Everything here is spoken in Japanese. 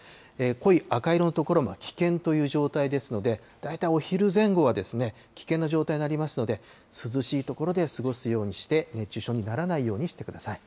濃い赤色の所も危険という状態ですので、大体お昼前後は危険な状態になりますので、涼しい所で過ごすようにして、熱中症にならないようにしてください。